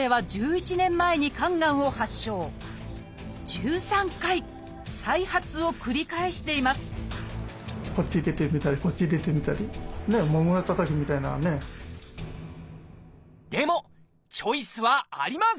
１３回再発を繰り返していますでもチョイスはあります！